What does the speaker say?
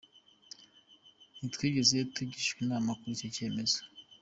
Ntitwigeze tugishwa inama kuri icyo cyemezo.